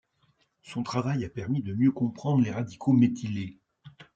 Son travail a permis de mieux comprendre les radicaux méthylés.